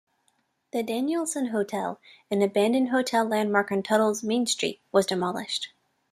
The Danielson Hotel, an abandoned hotel landmark on Tuttle's main street, was demolished.